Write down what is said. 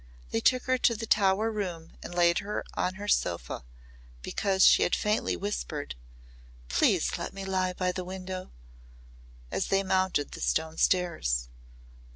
They took her to the Tower room and laid her on her sofa because she had faintly whispered. "Please let me lie by the window," as they mounted the stone stairs.